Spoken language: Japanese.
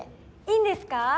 いいんですか？